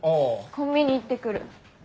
コンビニ行って来る。